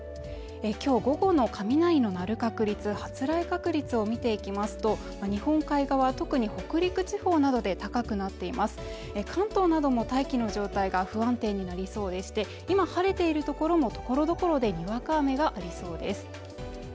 きょう午後の雷の鳴る確率発雷確率を見ていきますと日本海側特に北陸地方などで高くなっていますが関東なども大気の状態が不安定になりそうでして今晴れている所もところどころでにわか雨がありそうです